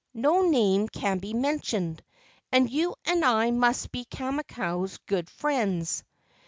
No name can be mentioned, and you and I must be Kamakau's good friends."